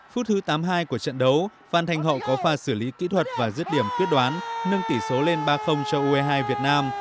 phút thứ tám mươi hai của trận đấu phan thanh hậu có pha xử lý kỹ thuật và giết điểm quyết đoán nâng tỷ số lên ba cho ue hai việt nam